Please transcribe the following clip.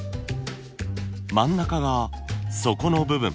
真ん中が底の部分。